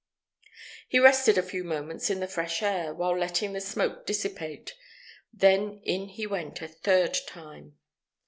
He rested a few moments in the fresh air, while letting the smoke dissipate. Then in he went a third time.